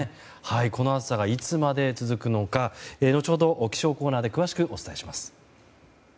この暑さがいつまで続くのか後ほど気象コーナーで詳しくお伝えします。